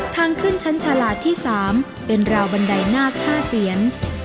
ทางขึ้นชั้นชาลาที่๓เป็นราวบันไดนาค๕เซียน